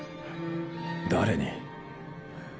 誰に？